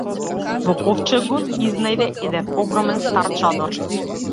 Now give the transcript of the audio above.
Во ковчегот изнајде еден огромен стар чадор.